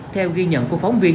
theo ghi nhận của phóng viên